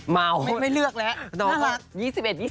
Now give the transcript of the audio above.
เมาไม่เลือกแล้วน่ารัก